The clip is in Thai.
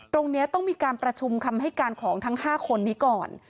ตรงนี้ต้องมีการประชุมคำให้การของทั้ง๕คนนี้ก่อน